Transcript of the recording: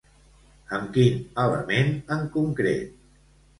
Amb quin element en concret?